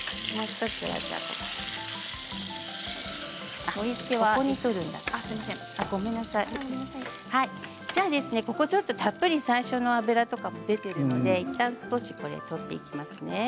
ここで、たっぷり最初の脂とか出ているのでいったん取っていきますね。